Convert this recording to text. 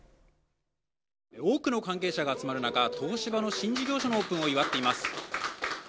多くの関係者が集まる中東芝の新事業所のオープンを祝っています。